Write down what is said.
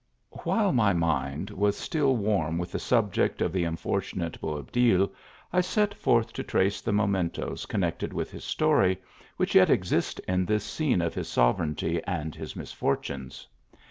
WHILE my mind was still warm with the subject of the unfortunate Boabdil, I set forth to trace the mementos connected with his story, which yet exist in this scene of his sovereignty and his misfor tunes.